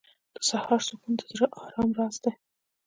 • د سهار سکون د زړه د آرام راز دی.